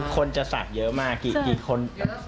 คนจะศักดิ์เยอะมากกี่คน